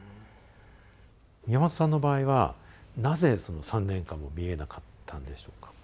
宮本さんの場合はなぜその３年間も見えなかったんでしょうか？